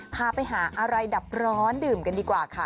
พาไปหาอะไรดับร้อนดื่มกันดีกว่าค่ะ